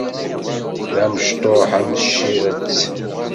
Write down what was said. D amecṭuḥ am tcirett.